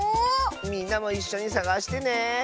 みんなもいっしょにさがしてね！